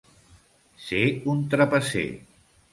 Ser un trapasser.